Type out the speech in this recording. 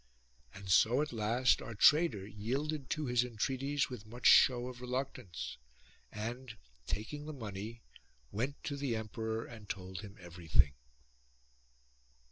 And so at last our trader yielded to his entreaties with much show of reluctance : and, taking the money, went to the emperor and told him every thing.